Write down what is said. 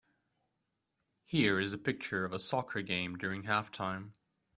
Here is a picture of a soccer game during halftime.